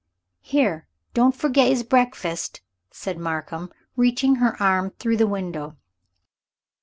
"Here, don't forget 'is breakfast," said Markham, reaching her arm through the window.